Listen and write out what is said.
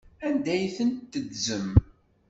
Anda ay tent-teddzem?